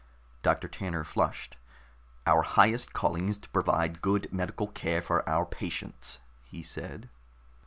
Doctor Tanner flushed. "Our highest calling is to provide good medical care for our patients," he said.